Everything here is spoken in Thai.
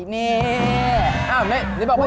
เนี่ย